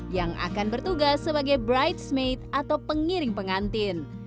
yang akan bertugas sebagai bridesmaid atau pengiring pengantin